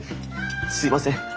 すいません。